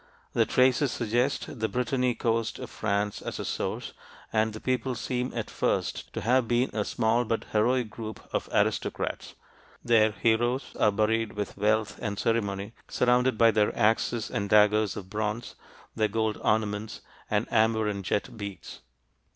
The traces suggest the Brittany coast of France as a source, and the people seem at first to have been a small but "heroic" group of aristocrats. Their "heroes" are buried with wealth and ceremony, surrounded by their axes and daggers of bronze, their gold ornaments, and amber and jet beads.